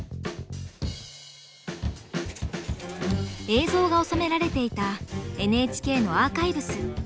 映像が収められていたＮＨＫのアーカイブス。